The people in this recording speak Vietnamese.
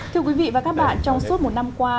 thưa quý vị và các bạn trong suốt một năm qua